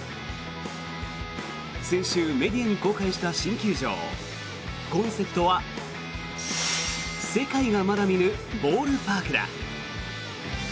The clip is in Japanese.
先週、メディアに公開した新球場コンセプトは「世界がまだ見ぬボールパーク」だ。